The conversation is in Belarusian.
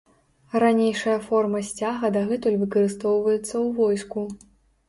Ранейшая форма сцяга дагэтуль выкарыстоўваецца ў войску.